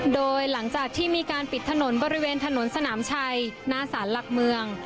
โดยหลังจากที่มีการปิดถนนบริเวณถนนสนามชัยหน้าสารหลักเมือง